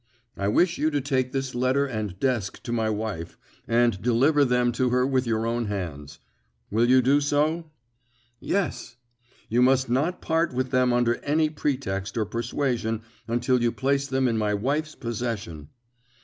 I wish you to take this letter and desk to my wife, and deliver them to her with your own hands. Will you do so?" "Yes." "You must not part with them under any pretext or persuasion until you place them in my wife's possession."